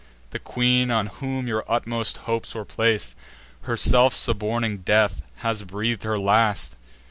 The queen, on whom your utmost hopes were plac'd, Herself suborning death, has breath'd her last.